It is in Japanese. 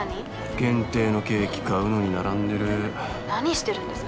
限定のケーキ買うのに並んでる何してるんですか？